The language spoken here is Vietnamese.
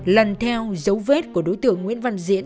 lần theo dấu vết của đối tượng nguyễn văn diễn